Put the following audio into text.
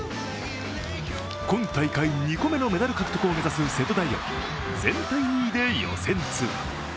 今大会２個目のメダル獲得を目指す瀬戸大也は全体２位で予選通過。